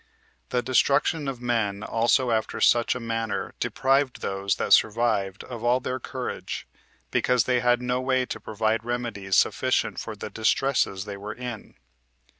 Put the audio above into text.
The destruction of men also after such a manner deprived those that survived of all their courage, because they had no way to provide remedies sufficient for the distresses they were in.